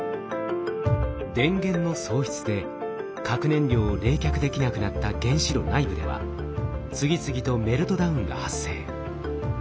電源の喪失で核燃料を冷却できなくなった原子炉内部では次々とメルトダウンが発生。